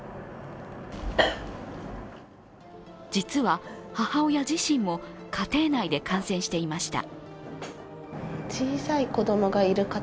実は、母親自身も家庭内で感染していました。